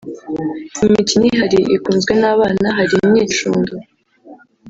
Imikino ihari ikunzwe n’abana hari imyicundo